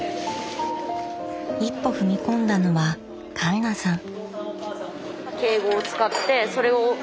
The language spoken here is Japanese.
一歩踏み込んだのは環奈さん。